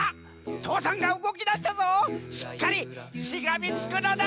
父山がうごきだしたぞしっかりしがみつくのだ！